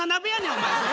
お前。